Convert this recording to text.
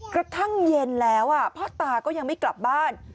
กระทั่งเย็นแล้วพ่อตาก็ยังไม่กลับบ้าน